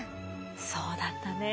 そうだったね。